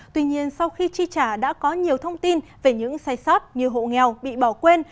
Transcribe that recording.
tuy nhiên sau khi chi trả đã có nhiều thông tin về những sai sót như hộ nghèo bị bỏ quên